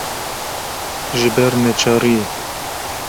ji ber neçariyê